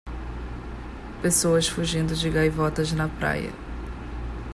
Pessoas fugindo de gaivotas na praia.